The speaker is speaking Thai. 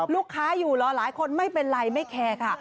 ลูกค้าอยู่รอหลายคนไม่เป็นไรไม่แคร์ค่ะ